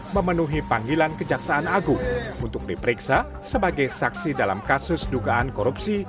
memenuhi panggilan kejaksaan agung untuk diperiksa sebagai saksi dalam kasus dugaan korupsi